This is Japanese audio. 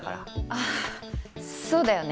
ああそうだよね。